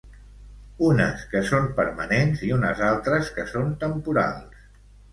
Unes que són permanents i unes altres que són temporals.